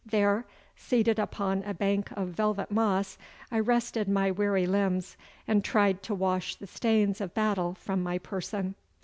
There, seated upon a bank of velvet moss, I rested my weary limbs, and tried to wash the stains of battle from my person.